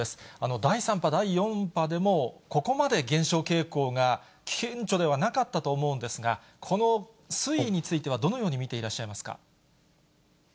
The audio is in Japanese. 第３波、第４波でも、ここまで減少傾向が顕著ではなかったと思うんですが、この推移については、どのように見ていらっしゃいますか。